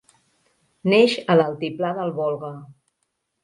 Neix a l'altiplà del Volga.